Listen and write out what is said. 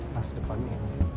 mas depan ini